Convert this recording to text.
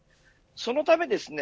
そのためですね